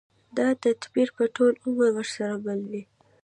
دا تدبير به ټول عمر ورسره مل وي.